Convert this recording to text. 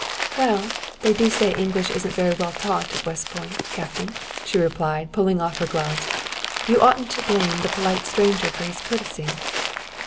"Well, they do say English isn't very well taught at West Point, Captain," she replied, pulling off her gloves. "You oughtn't to blame the polite stranger for his courtesy."